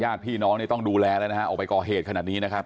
ญาติพี่น้องนี่ต้องดูแลแล้วนะฮะออกไปก่อเหตุขนาดนี้นะครับ